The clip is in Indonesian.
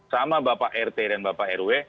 sama bapak rt dan bapak rw